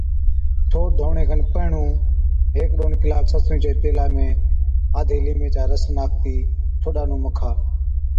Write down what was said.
ٺوڏ ڌووَڻي کن پيهڻُون هيڪي ڏون ڪِلاڪ سرسُوئي چي تيلا ۾ آڌي ليمي چا رس ناکتِي ٺوڏا نُون مکا،